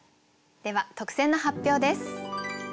では特選の発表です。